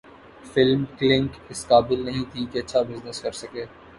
film Kalank اس قابل نہیں تھی کہ اچھا بزنس کرسکے